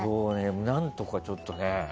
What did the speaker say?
何とか、ちょっとね。